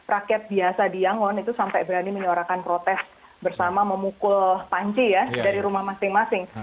rakyat biasa di yangon itu sampai berani menyuarakan protes bersama memukul panci ya dari rumah masing masing